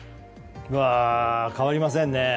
変わりませんね。